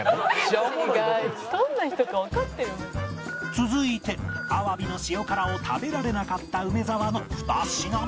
続いてアワビの塩辛を食べられなかった梅沢の２品目